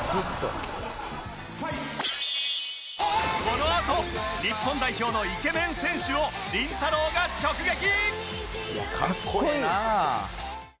このあと日本代表のイケメン選手をりんたろー。が直撃！